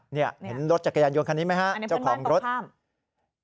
เห็นรถจักรยานยนต์คันนี้ไหมฮะเจ้าของรถอันนี้เป็นบ้านประพร่าม